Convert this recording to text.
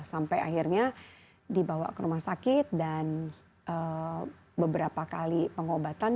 sampai akhirnya dibawa ke rumah sakit dan beberapa kali pengobatan